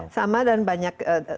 sama dan banyak